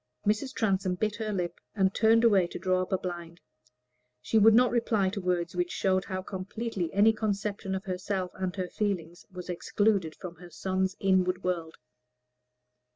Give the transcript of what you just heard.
Mrs. Transome bit her lip, and turned away to draw up a blind. She would not reply to words which showed how completely any conception of herself and her feelings was excluded from her son's inward world.